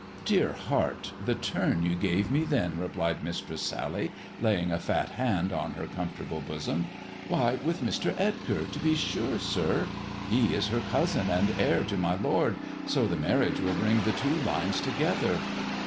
" Dear heart, the turn you gave me then," replied Mis tress Sally, laying a fat hand on her comfortable bosom. " Why, with Mr. Edgar, to be sure, sir. He is her cousin, and heir to my lord ; so the marriage will bring the two lines together.